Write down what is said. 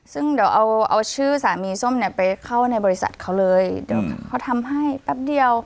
ซึ่งเดี๋ยวเอาเอาชื่อสามีส้มเนี่ยไปเข้าในบริษัทเขาเลยเดี๋ยวเขาทำให้แป๊บเดียว